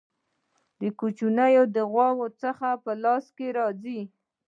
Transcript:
کوچي د غوا څخه په لاس راځي.